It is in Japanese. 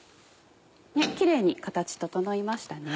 キレイに形整いましたね。